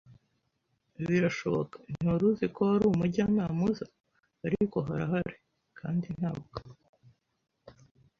birashoboka, ntiwari uzi ko hari umujyanama uza? Ariko harahari, kandi ntabwo